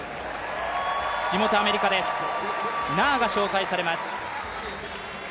地元アメリカのナーが紹介されます。